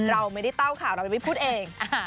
เราไม่ได้เต้าข่าวเราจะไม่พูดเอง